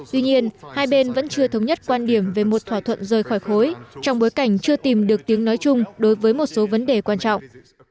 tuy nhiên hai bên vẫn chưa thống nhất quan điểm về một thỏa thuận rời khỏi khối trong bối cảnh chưa tìm được tiếng nói chung đối với một số vấn đề quan trọng